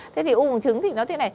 thế thì u bằng trứng thì nó thế này